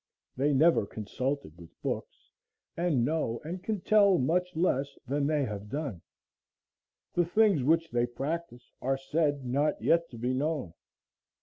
They never consulted with books, and know and can tell much less than they have done. The things which they practise are said not yet to be known.